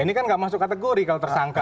ini kan nggak masuk kategori kalau tersangka